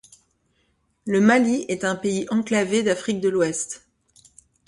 Le Mali est un pays enclavé d’Afrique de l'Ouest.